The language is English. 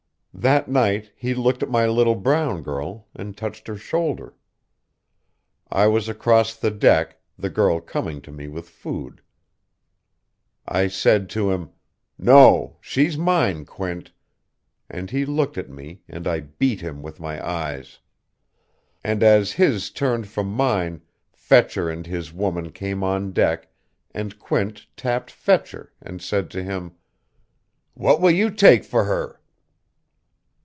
"That night, he looked at my little brown girl, and touched her shoulder. I was across the deck, the girl coming to me with food. I said to him: 'No. She's mine, Quint.' And he looked at me, and I beat him with my eyes. And as his turned from mine, Fetcher and his woman came on deck, and Quint tapped Fetcher, and said to him: 'What will you take for her?'